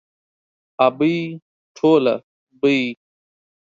ابۍ ټوله بۍ.